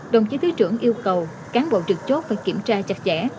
đồng chí thứ trưởng yêu cầu cán bộ trực chốt phải kiểm tra chặt chẽ